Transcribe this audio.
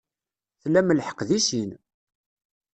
Tlam lḥeqq deg sin.